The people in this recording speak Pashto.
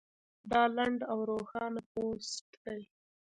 دا لنډ او روښانه پوسټ دی